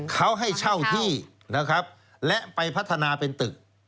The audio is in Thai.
เขาให้เช่าที่นะครับและไปพัฒนาเป็นตึก